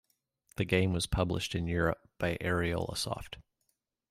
The game was published in Europe by Ariolasoft.